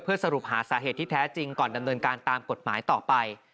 สรุปหาสาเหตุที่แท้จริงก่อนดำเนินการตามกฎหมายต่อไป